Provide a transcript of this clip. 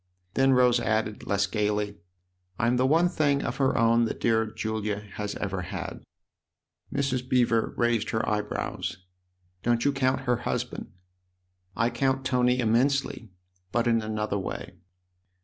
Then Rose added, less gaily :" I'm the one thing of her own that dear Julia has ever had." Mrs. Beever raised her eyebrows. " Don't you count her husband ?"" I count Tony immensely ; but in another way."